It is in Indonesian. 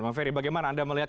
bang ferry bagaimana anda melihat